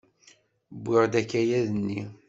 Wwiɣ-d akayad-nni!